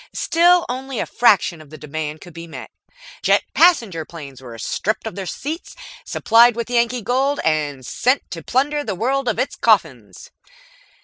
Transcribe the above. Still only a fraction of the demand could be met. Jet passenger planes were stripped of their seats, supplied with Yankee gold, and sent to plunder the world of its coffins.